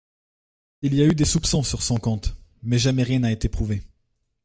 il y a eu des soupçons sur son compte, mais jamais rien n’a été prouvé